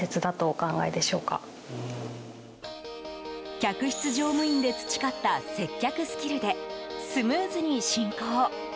客室乗務員で培った接客スキルで、スムーズに進行。